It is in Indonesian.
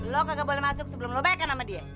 lu gak boleh masuk sebelum lu baik baikin sama dia